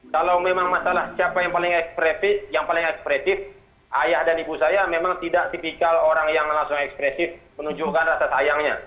kalau memang masalah siapa yang paling ekspresif ayah dan ibu saya memang tidak tipikal orang yang langsung ekspresif menunjukkan rasa sayangnya